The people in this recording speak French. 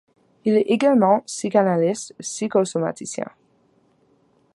Il est également psychanalyste-psychosomaticien.